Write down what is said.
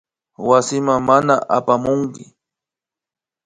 Wasiman mana apamukmi